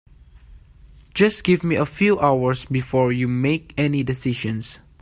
Just give me a few hours before you make any decisions.